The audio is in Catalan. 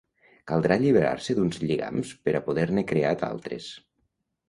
Caldrà alliberar-se d'uns lligams per a poder-ne crear d'altres.